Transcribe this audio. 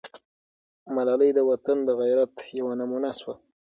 ملالۍ د وطن د غیرت یوه نمونه سوه.